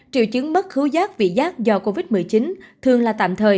triệu chứng mất khứu giác vị giác do covid một mươi chín thường là tạm thời